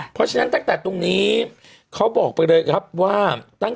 เพราะฉะนั้นตั้งแต่ตรงนี้เขาบอกไปเลยครับว่า